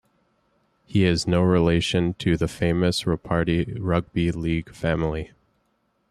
He is no relation to the famous Ropati rugby league family.